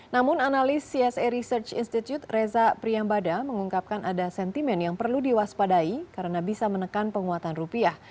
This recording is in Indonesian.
namun analis csa research institute reza priyambada mengungkapkan ada sentimen yang perlu diwaspadai karena bisa menekan penguatan rupiah